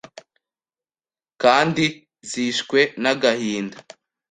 kandi zishwe n’agahinda.